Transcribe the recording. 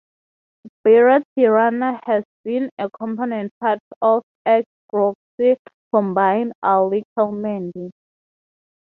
Birra Tirana has been a component part of ex-Grocery Combine "Ali Kelmendi".